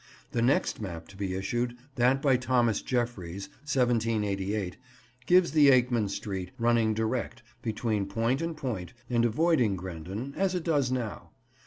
The next map to be issued—that by Thomas Jeffreys, 1788—gives the Akeman Street, running direct, between point and point, and avoiding Grendon, as it does now.